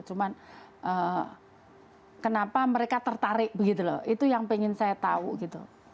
cuman kenapa mereka tertarik begitu loh itu yang pengen saya tahu gitu